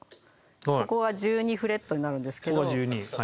ここが１２フレットになるんですけど。